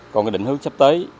còn cái định hướng sắp tới